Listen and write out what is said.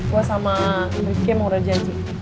gue sama riefi emang udah jadi